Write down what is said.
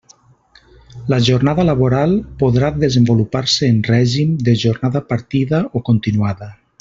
La jornada laboral podrà desenvolupar-se en règim de jornada partida o continuada.